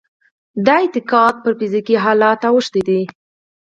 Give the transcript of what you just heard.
دا اعتقاد پر فزيکي حالت اوښتی دی.